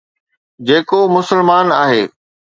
جيڪو مسلمان آهي.